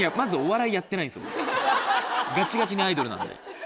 ガチガチにアイドルなんで。